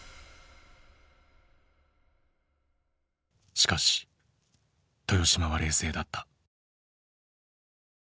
しかし豊島は冷静だった。